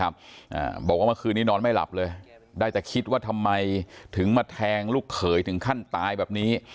อ่าบอกว่าเมื่อคืนนี้นอนไม่หลับเลยได้แต่คิดว่าทำไมถึงมาแทงลูกเขยถึงขั้นตายแบบนี้